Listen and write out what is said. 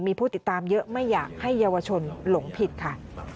มีผู้ติดตามเยอะไม่อยากให้เยาวชนหลงผิดค่ะ